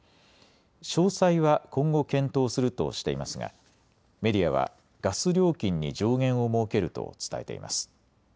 詳細は今後、検討するとしていますがメディアはガス料金に上限を設けると伝えています。